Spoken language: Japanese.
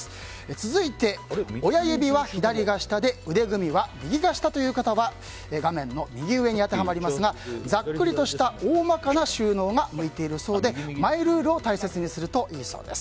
続いて、親指は左が下で腕組みは右が下という方は画面の右上に当てはまりますがざっくりとした大まかな収納が向いているそうでマイルールを大切にするといいそうです。